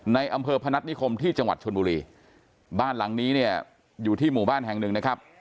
ในอำเภอพนัฐนิคมที่จังหวัดชนบุรีบ้านหลังนี้เนี่ยอยู่ที่หมู่บ้านแห่งหนึ่งนะครับ